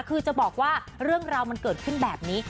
คือจะบอกว่าเรื่องราวมันเกิดขึ้นแบบนี้